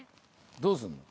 どうすんの？